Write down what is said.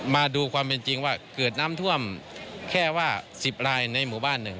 มาดูความเป็นจริงว่าเกิดน้ำท่วมแค่ว่า๑๐รายในหมู่บ้านหนึ่ง